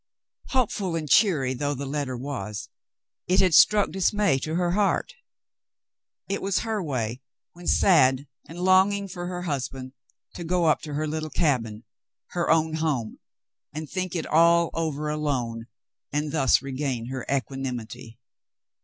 Hopeful and cheery though the letter was, it had struck dismay to her heart ; it was her way when sad, and longing for her husband, to go up to her little cabin — her own home — and think it all over alone and thus regain her equanimity.